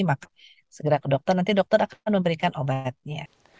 maka segera ke dokter nanti dokter akan memberikan obatnya